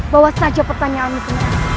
bawa saja pertanyaan itu